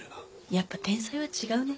やっぱ天才は違うね。